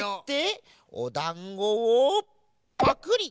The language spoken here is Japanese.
おだんごをパクリ！